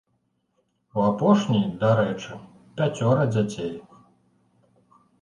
У апошняй, дарэчы, пяцёра дзяцей.